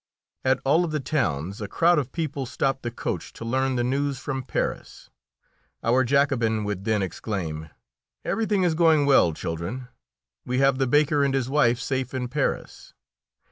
At all of the towns a crowd of people stopped the coach to learn the news from Paris. Our Jacobin would then exclaim: "Everything is going well, children! We have the baker and his wife safe in Paris.